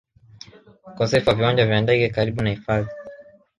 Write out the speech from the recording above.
ukosefu wa viwanja vya ndege karibu na hifadhi